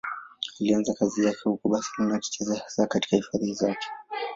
Alianza kazi yake huko Barcelona, akicheza hasa katika hifadhi zake.